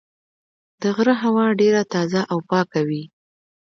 د غره هوا ډېره تازه او پاکه وي.